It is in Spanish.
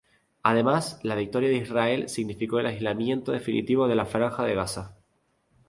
Además, la victoria de Israel significó el aislamiento definitivo de la Franja de Gaza.